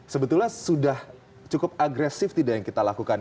sebetulnya sudah cukup agresif tidak yang kita lakukan